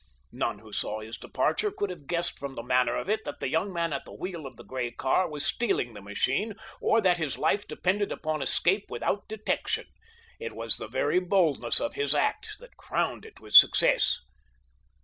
None who saw his departure could have guessed from the manner of it that the young man at the wheel of the gray car was stealing the machine or that his life depended upon escape without detection. It was the very boldness of his act that crowned it with success.